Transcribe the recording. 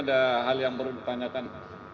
ada hal yang baru ditanyakan